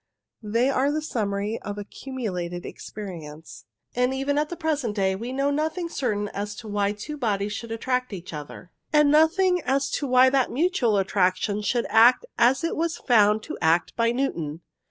They are the summary of accumulated experience, and even at the present day we know nothing certain as to why two bodies should attract each other, and nothing as to why that mutual attraction should act as it was found to act by Newton.